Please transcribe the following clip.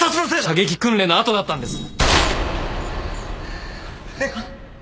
射撃訓練の後だったんです。